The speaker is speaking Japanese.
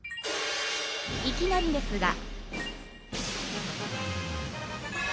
いきなりですが。